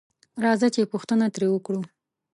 راځه چې پوښتنه تري وکړو